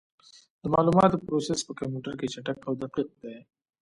د معلوماتو پروسس په کمپیوټر کې چټک او دقیق دی.